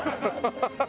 ハハハハ！